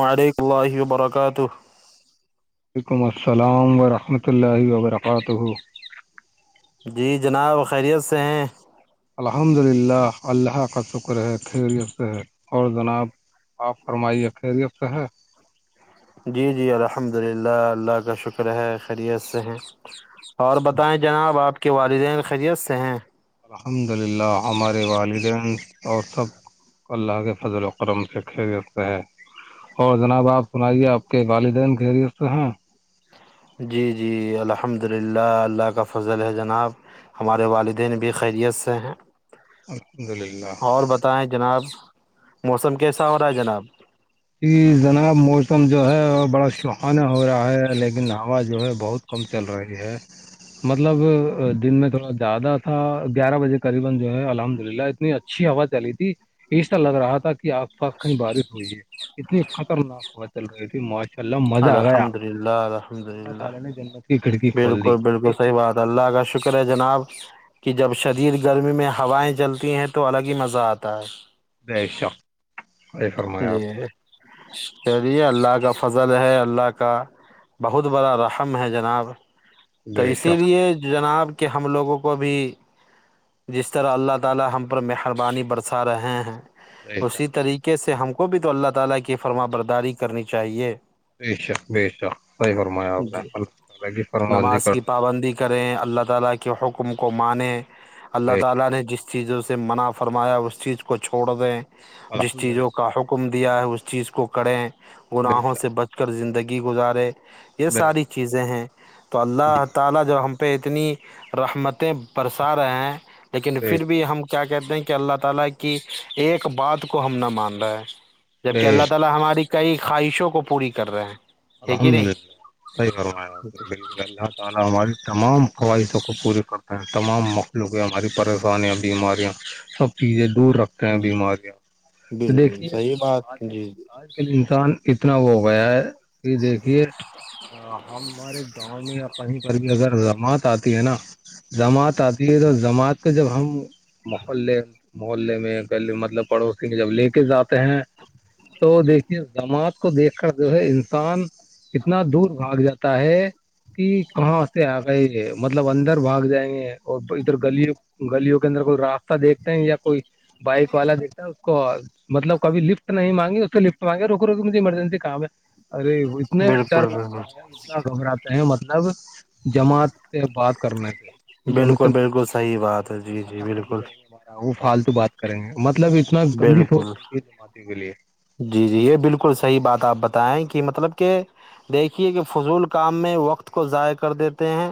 وعلیکم اللہ وبرکاتہ وعلیکم السلام ورحمۃ اللہ وبرکاتہ جی جناب خیریت سے ہیں الحمد للہ اللہ کا شکر ہے خیریت سے ہے اور جناب آپ فرمائیے خیریت سے ہے جی جی الحمد للہ اللہ کا شکر ہے خیریت سے ہیں اور بتائیں جناب آپ کے والدین خیریت سے ہیں الحمد للہ ہمارے والدین اور سب اللہ کے فضل اکرم سے کھیل رتے ہے اور جناب آپ سنائیے آپ کے والدین خیریست سے ہیں جی جی الحمد للہ اللہ کا فضل ہے جناب ہمارے والدین بھی خیریت سے ہیں الحمد للہ اور جناب موسم کیسا ہو رہا ہے جناب یہ جناب موسم جو ہے بڑا سہانہ ہو رہا ہے لیکن ہوا جو ہے بہت کم چل رہی ہے مطلب دن میں تھوڑا زیادہ تھا گیارہ بجے قریبا جو ہے الحمد للہ اتنی اچھی ہوا چلی تھی ایسرا لگ رہا تھا کہ آب ف کنی بارش ہوئی ہے اتنی خطرناک ہوا چل رہی تھی معاش الحمد للہ الحمد اللہ للہ تعالی نے جنت کی کھڑکی کھول دی بالکل بالکل ایسی صحیح کی بات آواز اللہ آگش شکر ہے جناب کہ جب شدر گرمی میں ہوائیں چلتی ہیں تو الگ ہی مزہ آتا ہے جیشا جی اری ہے اللہ کا فضل ہے اللہ کا بہت بڑا رحم ہے جناب نے تو بے اسی شک لیے جناب کہ ہم لوگوں کو بھی جس طرح اللہ تعالی ہم پر مہربانی برسا رہے ہیں بے اسی شک طریقے سے ہم کو بھی تو اللہ تعالی کی فرما برداری کرنی چاہیے بیے شا بے شا صحی فرمایا آپ نے جی اللہ ال کی فرم بندی نماز کی کرنا بھی بہت پابندی ضروری کریں اللہ تعال کے حکم کو مانیں ہے۔ اللہ بے شک تعالی نے جس چیزوں سے منع فرمایا اس چیز کو چھوڑ دیں جس الحمد چیزوں کا للہ حکم دیا ہے اس چیز کو کریں بے گناہوں سے شک بچ کر زندگی گزارے یہ بے ساری شک چیزیں ہیں تو جی اللہ جی تعا لا جوب ہم اتنی رحمتیں برسا رہے ہیں لیکن بے پھر شک بھی ہم کو کیا کہتے ہیں کہ اللہ تعا لا کی ایک بات کو ہم نہ مان رہا ہے جبک بے اللہ تعا شک لا ہماری کئی خواہشوں کو پوری کر رہے ہیں ہے کہ الحمد للہ نہیں صحیح فمایا ہو لیکن اللہ تعا لا ہماری تمام قوائدوں کو پورے کرتے ہیں تمام مخلوق ہماری پریشانییاں بیماریاں سب چیزیں دور رکھ بیماریاں بالکل دیکھیے صحیح بات آج ک جی آج ل انسان اتنا ہو گیا ہے کہ دیکھیے ہم ہمارے گاؤں میں یا کہیں پر بھی اگر زماعت آتی ہے نا جماعت آتی ہے تو جماعت کا جب ہم ماحول لیں محلے میں کل مطلب پڑوسی میں جب لے کے جاتے ہیں تو دیکھیے جماع کو دیکھ کر جو ہے انسان کتنا دور بھاگ جاتا ہے کہ کہاں سے آ گئے یہ مطلب اندر بھاگ جائیں گے اور ادھر گل گلوں کے اندر کوئی راستہ دیکھتے ہیں یا کوئی بائک والا دیکھتا اس کو مطلب کب لفٹ نہیں مانگی اس تو لفٹ مانگے رو روج ایرجنسی کام ہے ارے وہ اتنا ڈر بالکل لگتا بالکل ہے اتنا گھبراتا ہیں مطلب جماع بات کرنا پ ہم بالکل نماز بالکل کی بات صحیح ہے جی جی ماتا خالی بالکل کریں گے ہم وہ فالتو بات کریں گے مطلب اتنا گندی سوچ بالکل بتی ہے جمعاتوں کے لیے جی جی یہ بالکل صحیح بات آپ بتائیں کہ مطلب کہ دیکھیے کہ فضول کام میں وقت کو ضائع کر دیتے ہیں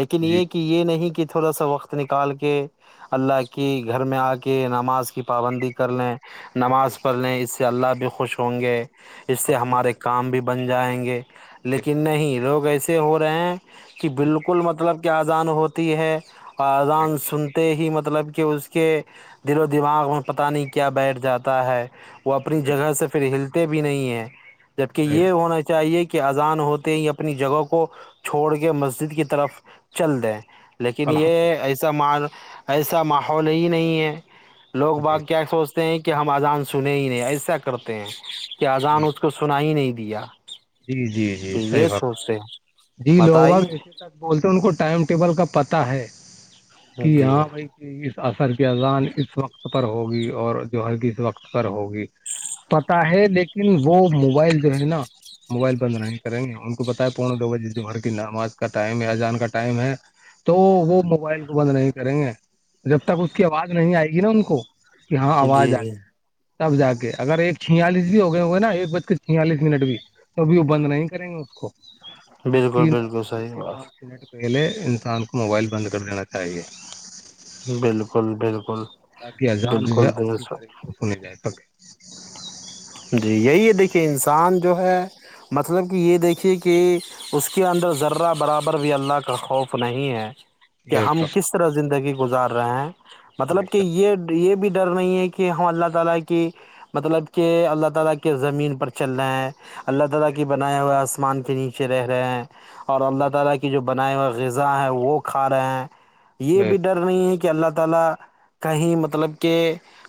لیکن جی یہ کہ یہ نہیں کہ تھوڑا سا وقت نکال کے اللہ کی گھر میں آ کے نماز کی پابندی کر لیں بے نماز شک پڑھ لیں اس سے اللہ بھی بے خوش ہوں شک گے اس سے الحمد ہمارے للہ کام بھی بن جائیں گے بے لیکن شک نہیں لوگ ایسے ہو رہے ہیں کہ بالکل مطلب کہ آذان ہوتی ہے اور بے آذان شک سنتی ہی مطلب کہ اس کے دل و دماغ میں پتہ نہیں کیا بیٹھ جاتا ہے وہ اپنی بے جگہ شک سے پھر ہلتے بھی نہیں ہیں جبکہ بے یہ شک ہونا چاہیے کہ کہ اذان ہوتے ہی اپنی جگہ کو چھوڑ کے مسجد کی طرف چل دیں لیکن الحمد یہ للہ ایسا م ایسا ماحول ہی نہیں ہے لوگ جی بعات کیا سوچ کہ ہم اذان سنے ہی نہیں ایسا کرتے ہیں کہ اذان جی اس کو سنا ہی نہیں دیا جی جی جی تو صحیح یہ بات سوچتے ہیں جی لوگ با بتائیے بولتے ان کو ٹائم ٹیبل کا پتا ہے کہ جی ہاں بھائی کہ اس اثر کی اذان اس وقت پر ہوگی اور جو ہے کس وقت پر ہوگی پتاہ ہے لیکن وہ موبائل جو ہے نا موبائل بند نہیں کریں گی ان کو بتائے پونے دو بجے جہر کی نماز کا ٹائم ہے اجان کا ٹائم ہے تو وہ موبائل کو بند نہیں کریں گے جب تک اس کی آواز نہیں آئے گی نا ان کو کہ ہاں جی آواز آ جی گئی تب جا کے اگر ایک چھیالیس بھی ہو گئے ہو گئے نا ایک بج کے چھیالیس منٹ بھی توبھی وہ بند نہیں کریں گے اس کو جبک بالکل بالکل صحیح کےچ بات نٹ پہلے انسان کو موبائل بند کر دینا چاہیے بالکل بالکل تاکہ اجان جو ہے بالکل اچھی درست تاریخ سے سنی جائے سکے جی یہی ہے دیکھیے انسان جو ہے مطلب کہ یہ دیکھیے کہ اس کے اندر ذرہ برابر بھی اللہ کا خوف نہیں ہے کہ بے ہم شک کس طرح زندگی گزار رہے ہیں بے مطلب کہ شک یہ یہ بھی ڈر نہیں ہے کہ ہم اللہ تعا لا کی مطلب کیا کہ اللہ تعا لا کے زمین پر چلنا ہے اللہ تعا لا بے کی بنایا ہوا مان کے نیچے رہے ہیں اور اللہ شک تعالی کے جو بناائے ہوئے غذا ہے وہ کھا رہے ہیں یہ بے بھی ڈر شک نہیں ہے کہ اللہ تعالی کہیں مطلب کہ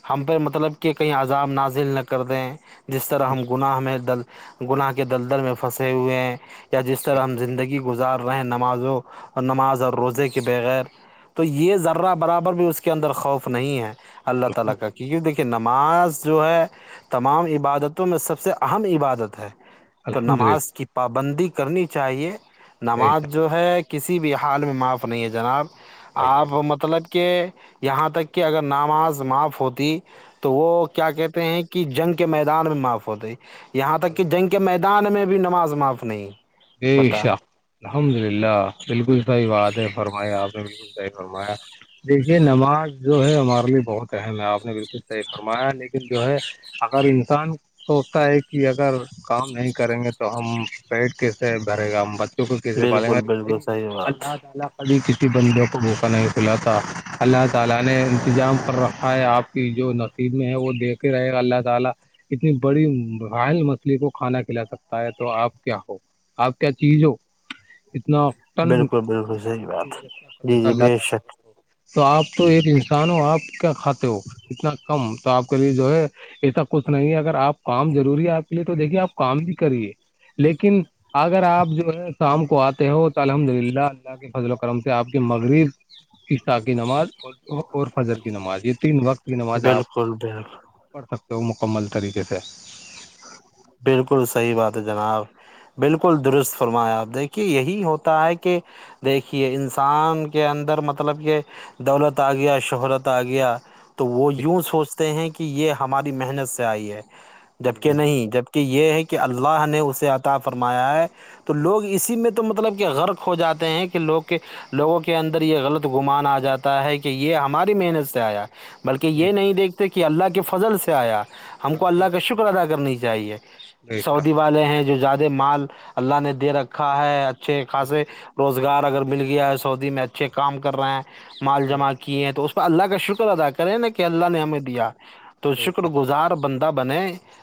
ہم پہ مطلب کہ کہیں عزاب نازل نہ کر کر دیں جس طرح ہم گناہ میں دل گناہ کے دلدل میں پھنسے ہوئے ہیں یا جس طرح ہم زندگی گزار رہے ہیں نمازوں اور نماز اور روزے کے بغیر تو یہ ذرہ برابر بھی اس کے اندر خوف نہیں ہے اللہ تعالی الحمد کا للہ کیونکہ دیکھیے نماز جو ہے تمام عبادتوں میں سب سے اہم عبادت ہے تو الحمد نماز للہ کی پابندی کرنی چاہیے نماز جو ہے کسی بھی حال میں معاف نہیں ہے جناب آپ بالکل مطلب کہ یہاں تک کہ اگر نماز معاف ہوتی تو وہ کیا کہتے ہیں کہ کہ جنگ کے میدان میں معاف ہوتے ہے یہاں تک کہ جنگ الحمد کے للہ میدان میں بھی نماز معاف نہیں بیشا بتائیں الحمد للہ بالکل صحیح بات ہے فرمایا آپ نے بالکل صحیح فرمایا دیکھیے نماز جو ہے ہمارے لیے بہت اہم ہے آپ نے بالکل صحیح فرمایا لیکن جو ہے اگر انسان سوچتا ہے کہ اگر کام نہیں کریں گے تو ہم پیٹ کیسے بھرے گا ہم بچوں کو کیسے پالیں گا بالکل بی بالکل صحیح بات اللہ تعالی ابھی کسی بندے کو بھوکا نہیں کھلا تھا اللہ تعالی نے انتظام کر رکھا ہے آپ کی جو ن میں ہے وہ دیکھ ہی رہے گا اللہ تعالی اتنی بڑی رائل مچھلی کو کھانا کھلا سکتا ہے تو آپ کیا ہو آپ کیا چیز ہو اتنا ساا بالکل بالکل صحیح بات کر د جی جی اللہ بے تعالی شک تو آپ تو ایک انسان ہو آپ کیا کھاتے ہو اتنا کم تو آپ کے لیے جو ہے ایسا کچھ نہیں ہے اگر آپ کام ضروری ہے آپ کے لیے تو دیکھیے آپ کام بھی کریے لیکن اگر آپ جو ہے شام کو آتے ہو تو الحمد للہ اللہ کے فضل و کرم سے آپ کے مغرب عیشا کی نماز اور فجر کی نماز یہ تین وقت کی نواز آپ بالکل بالکل پڑھ سکتے ہو مکمل طریقے سے بالکل صحیح بات ہے جناب بالکل درست فرمایا آپ دیکھیے یہی ہوتا ہے کہ دیکھیے انسان کے اندر مطلب کہ دولت آ گیا شہرت آ گیا تو وہ جی یوں سوچتے ہیں کہ یہ ہماری محنت سے آئی ہے جی جبکہ جی نہیں جب کہ یہ ہے کہ اللہ نے اسے عطا فرمایا ہے تو لوگ اسی میں تو مطلب کہ غرق ہو جاتے ہیں کہ لوگ کے لوگوں کے اندر یہ غلط گمان آ جاتا ہے کہ یہ ہماری محنت سے آیا بلکہ بے یہ شک، نہیں دیکھتے کہ اللہ کے فضل سے آیا ہم کو اللہ الحمد کا للہ شکر ادا کرنی چاہیے بے سعودی شک بے والے ہیں جو زیادہ مال اللہ نے دے رکھا ہے اچھے شک بے خاصے شک روزگار اگر مل گیا ہے سعودی میں اچھے کام کر رہے ہیں مال بے جمع شک۔ کیے ہیں تو اس اللہ کا شکر ادا کرے نا کہ اللہ نے ہمیں دیا تو بے شکر شک گزار بندہ بنے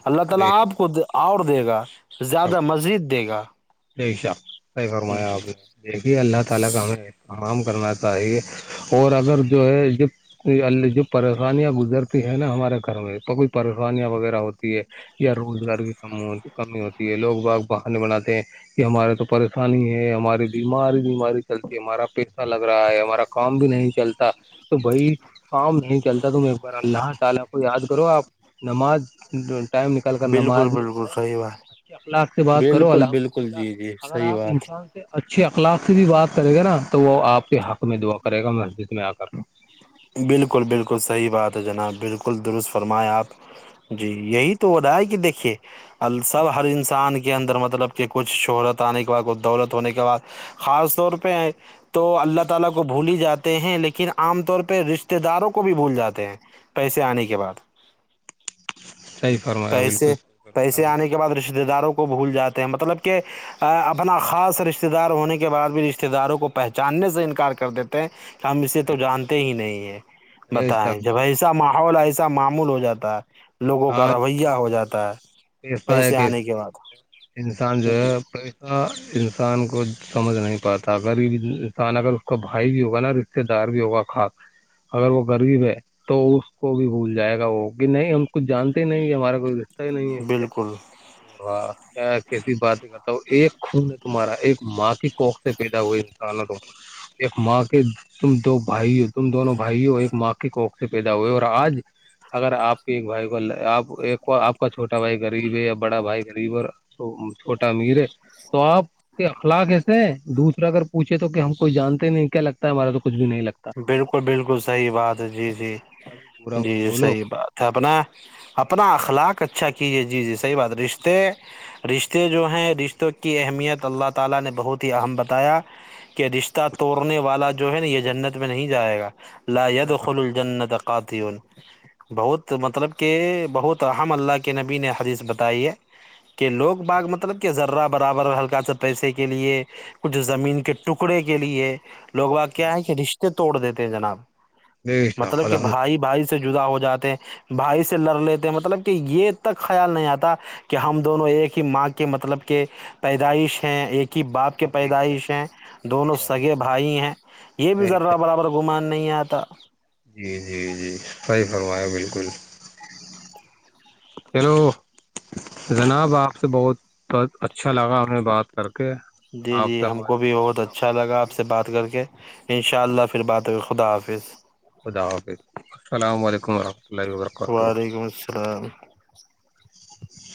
اللہ تعالی بے شک آپ کو اور دے گا زیادہ مزید دے گا بے شک صحیح فرمایا جی آپ نے دیکھیے اللہ تعالی کا ہمیں اترام کرنا چاہیے اور اگر جو ہے ج ال جو پریشانیاں گزرتی ہے نا ہمارے گھر میں تو کوئی پریشانیاں وغیرہ ہوتی ہے یا روزگار کی ک کمی ہوتی ہے لوگ باگ بہانے بناتے ہیں کہ ہمارے تو پریشانی ہے ہماری بیماری بیماری چلتی ہمارا پیسہ لگ رہا ہے ہمارا کام بھی نہیں چلتا تو بھائی کام نہیں چلتا تم ایک بار اللہ تعالی کو یاد کرو آپ نماز ٹائم نکل کر بالکل نماز نہیں بالکل جائے صحیح بات اچے اخلاق سے بات کرو بالکل الحمد بالکل جی جی اگر صحیح آپ بات انسان اچھے اخلاق سے بھی بات کرے گا نا تو وہ آپ کے حق میں دعا کرے گا مسجد میں آ کر بالکل بالکل صحیح بات ہے جناب بالکل درست فرمائیں آپ جی یہی تو ہو رہا ہے کہ دیکھیے ال سب ہر انسان کے اندر مطلب کہ کچھ شہرت آنے کے بعد کچھ دولت ہونے کے بعد خاص طور پہ تو اللہ تعالی کو بھول ہی جاتے ہیں لیکن عام طور پہ رشتے داروں کو بھی بھول جاتے ہیں پیسے آنے کے بعد صحیح فرمایا پیسے بالکل پیسے آنے کے بعد رشتے داروں کو بھول جاتے ہیں مطلب کہ اپنا خاص رشتے دار ہونے کے بعد بھی رشتے داروں کو پہچاننے سے انکار کر دیتا ہیں ہم اسے تو جانتے ہی نہیں ہے ایسا بتائیں جب ایسا ماحول ایسا معمول ہو جاتا ہے لوگوں کا ہاں رویہ ہو جاتا ہے پیسہ ہے پیسے کیسی آنے کے چیز بعد ہے، انسان جو جی ہے انسان کو سمجھ نہیں پاتا ریب انسان اگر اس کا بھائی بھی ہوگا نا سے دار بھی ہوگا کھاد اگر وہ غریب ہے تو اس کو بھی بھول جائے گا وہ کہ نہیں ہم جانتے ہی نہیں ہمارا کوھر بالکل واں کیا کیسی بات مطلب ایک خون ہے تمہارا ایک ماں کی کوکھ سے پیدا ہوئے انسان ت ایک ماں کے تم دو بھائیوں تم دونوں بھائیوں ایک ماں کے کوکھ سے پیدا ہوئے اور آج اگر آپ کے ایک بھائی آپ ایک آپ کا چھوٹا بھائی غریب ہے یا بڑا بھائی غریب اور چھوٹا امیر ہے تو آپ کہ اخلاق ایسے دوسرا اگر پوچھے تو کہ ہم کوئی جانتے نہیں کیا لگتا ہے ہمارا تو کچھ بھی نہیں لگتا بالکل بالکل صحیح بات ہے جی جی پورا جی مت جی بولو صحی بات ہے اپنا اپنا اخلاق اچھا کیجیے جی جی صحیح بات رشتے رشتے جو ہیں رشتوں کی اہمیت اللہ تعالی نے بہت ہی اہم بتایا کہ رشتہ توڑنے والا جو ہے نا یہ جنت میں نہیں جائے گا لا د خل الجنت اک قاتون بہت مطلب کہ بہت ام اللہ کے نبی نے حدیث بتائی ہے کہ لوگ باغ مطلب کہ ذرہ برابر ہلکا سا پیسے کے لیے کچھ زمین کے ٹکڑے کے لیے لوگ ب کیا ہے کہ رشتے توڑ دیتے ہیں جناب بے شک مطلب کہ الحمد بھائی بھائی سے جدا ہو جاتے بھائی سے لڑ لیتے مطلب کہ یہ تک خیال نہیں آتا کہ کہ ہم دونوں ایک ہی ماں کے مطلب کے پیدائش ہیں ایک باپ کے بے شک پیدائش ہیں بے دونوں شک سگے بھائی ہیں یہ بھی بے ضرا شک برابر گھمان نہیں آتا جی جی جی صحیح فرمایں بالکل ہیلو جناب آپ سے بہت اچھا لگا ہمیں بات کرک جی جی ہم کو بھی بہت اچھا اچھا لگا آپ ہوگی سے بات کر کے ان شاء اللہ پھر بات ہو گئی خدا حافظ خدا حافظ السلام علیکم و رحمۃ وعلیکم السلام